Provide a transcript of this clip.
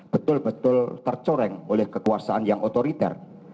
betul betul tercoreng oleh kekuasaan yang otoriter